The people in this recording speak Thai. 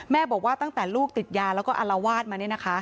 บอกว่าตั้งแต่ลูกติดยาแล้วก็อารวาสมาเนี่ยนะคะ